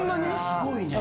すごいね。